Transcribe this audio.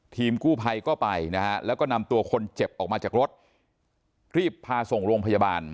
ทีมกู้ภัยก็ไปนะฮะแล้วก็นำตัวคนเจ็บออกมาจากรถรีบพาส่งโรงพยาบาล